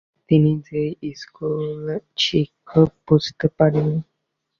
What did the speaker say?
তিনি যে স্কুল-শিক্ষক বুঝতে পারিনি।